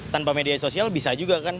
tanpa media sosial bisa juga kan